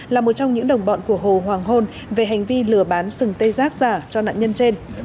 là một trong những đồng bọn của hồ hoàng hôn về hành vi lừa bán sừng tê giác giả cho nạn nhân trên